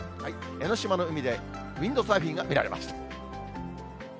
江の島の海でウィンドサーフィンが見られました。